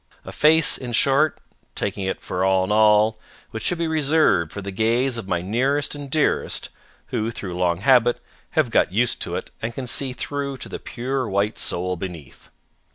A face, in short, taking it for all in all, which should be reserved for the gaze of my nearest and dearest who, through long habit, have got used to it and can see through to the pure white soul beneath.